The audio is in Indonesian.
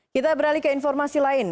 kita beralih ke informasi lain